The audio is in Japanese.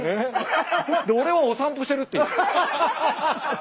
で俺はお散歩してるっていう。